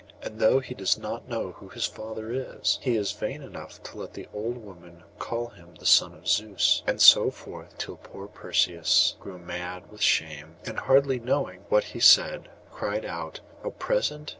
'And though he does not know who his father is, he is vain enough to let the old women call him the son of Zeus.' And so forth, till poor Perseus grew mad with shame, and hardly knowing what he said, cried out,—'A present!